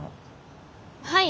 はい。